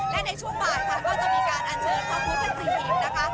และในช่วงบ่ายค่ะก็จะมีการอาจเชิญความพุทธศิษย์นะคะ